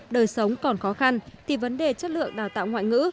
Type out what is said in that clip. đời sống còn khó khăn thì vấn đề chất lượng đào tạo ngoại ngữ